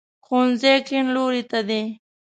ښوونځی کیڼ لوري ته دی